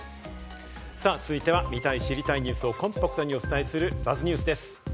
さぁ続いては、見たい知りたいニュースをコンパクトにお伝えする「ＢＵＺＺニュース」です。